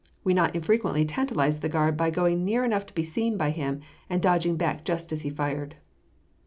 We not infrequently tantalized the guard by going near enough to be seen by him, and dodging back just as he fired.